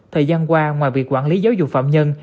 thời gian qua ngoài việc quản lý giáo dục phạm nhân